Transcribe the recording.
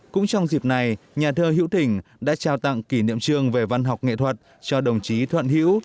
cũng trong dịp này nhà thơ hữu thỉnh đã trao tặng kỷ niệm trường về văn học nghệ thuật cho đồng chí thuận hữu